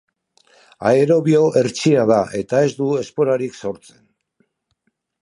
Aerobio hertsia da eta ez du esporarik sortzen.